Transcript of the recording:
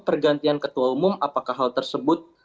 pergantian ketua umum apakah hal tersebut